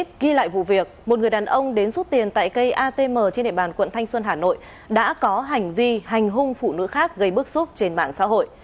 trước khi lại vụ việc một người đàn ông đến rút tiền tại cây atm trên địa bàn quận thanh xuân hà nội đã có hành vi hành hung phụ nữ khác gây bức xúc trên mạng xã hội